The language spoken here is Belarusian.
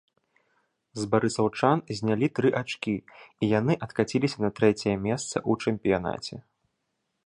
З барысаўчан знялі тры ачкі, і яны адкаціліся на трэцяе месца ў чэмпіянаце.